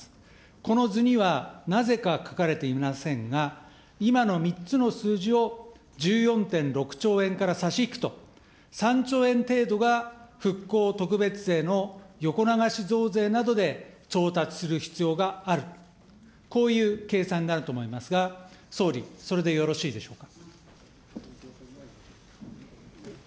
この図にはなぜか書かれていませんが、今の３つの数字を１４．６兆円から差し引くと、３兆円程度が復興特別税の横流し増税などで調達する必要がある、こういう計算になると思いますが、総理、それでよろしいでしょうか。